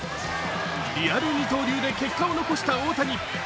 リアル二刀流で結果を残した大谷。